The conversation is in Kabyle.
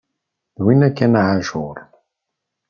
D winna kan a Ɛacur!